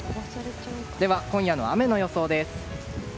では、今夜の雨の予想です。